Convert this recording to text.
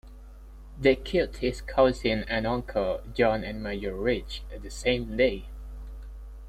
They killed his cousin and uncle, John and Major Ridge, the same day.